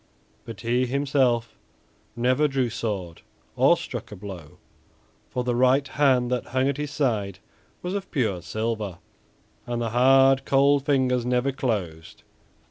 But he himself never drew sword or struck a blow, for the right hand that hung at his side was of pure silver, and the hard, cold fingers never closed.